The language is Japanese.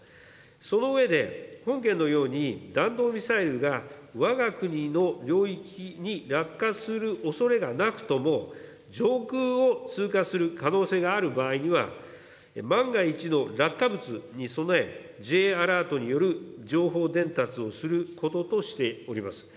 その上で、本件のように弾道ミサイルがわが国の領域に落下するおそれがなくとも、上空を通過する可能性がある場合には、万が一の落下物に備え、Ｊアラートによる情報伝達をすることとしております。